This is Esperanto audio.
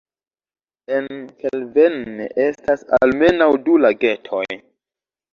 En Kelvenne estas almenaŭ du lagetoj.